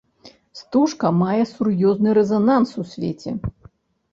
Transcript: Стужка мае сур'ёзны рэзананс у свеце.